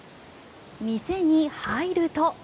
店に入ると。